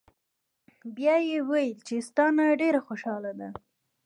" بیا ئې وې چې " ستا نه ډېره خوشاله ده